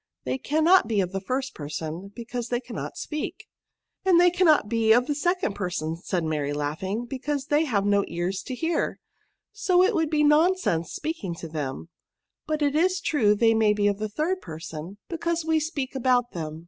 They cannot be of the first person, because they cannot speak." " And they cannot be of the second per son,'* said Mary, laughing, " because they have no ears to hear ; so it would be non sense speaking to them ; but it is true they may be of the third person, because we 164 PRONOUNS* speak about them.